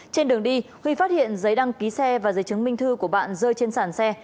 trên đường đi huy phát hiện giấy đăng ký xe và giấy chứng minh thư của bạn rơi trên sản xe